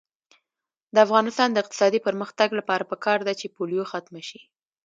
د افغانستان د اقتصادي پرمختګ لپاره پکار ده چې پولیو ختمه شي.